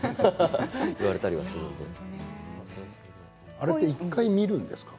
あれは１回見るんですか？